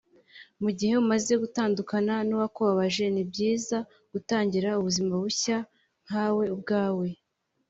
Mu gihe umaze gutandukana n’uwakubabaje ni byiza gutangira ubuzima bushya nkawe ubwawe